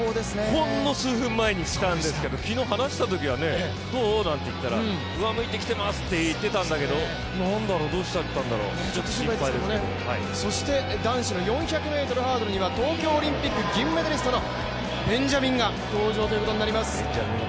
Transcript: ほんの数分前にきたんですけど、昨日、話したときはどう？なんて言ったら、上向いてきていますなんて言ってたけど何だろう、どうしちゃったんだろう心配ですけどるそして男子４００ｍハードルには東京オリンピック銀メダリストのベンジャミンが登場ということになります。